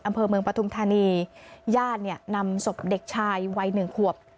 อำเภอเมืองปฐุมธานีญาติเนี่ยนำศพเด็กชายวัยหนึ่งขวบ